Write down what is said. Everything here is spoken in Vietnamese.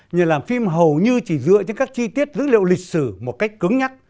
nhà làm phim hầu như chỉ dựa trên các chi tiết dữ liệu lịch sử một cách cứng nhắc